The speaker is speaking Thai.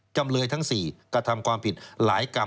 จำเลยทั้ง๔กระทำความผิดหลายกรรม